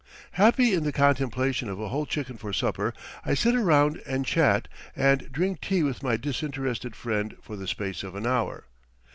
Happy in the contemplation of a whole chicken for supper, I sit around and chat and drink tea with my disinterested friend for the space of an hour.